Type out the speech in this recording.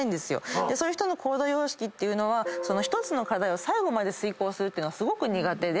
そういう人の行動様式は１つの課題を最後まで遂行するっていうのはすごく苦手で。